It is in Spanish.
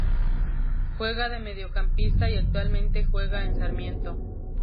Juega de mediocampista y actualmente juega en Sarmiento.